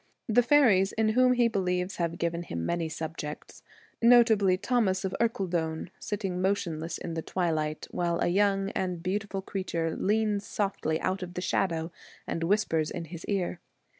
The faeries in whom he believes have given him many subjects, notably Thomas of Ercildoune sitting motionless in the twilight while a young and beautiful crea ture leans softly out of the shadow and whispers in his ear.